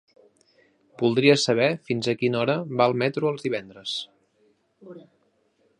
Voldria saber fins a quina hora va el metro els divendres?